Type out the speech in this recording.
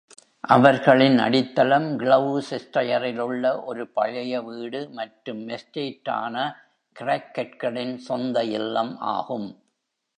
அவர்களின் அடித்தளம் கிளெவுசிஸ்டர்யரில் உள்ள ஒரு பழைய வீடு மற்றும் எஸ்டேட்டான கிராக்கெட்களின் சொந்த இல்லம் ஆகும்.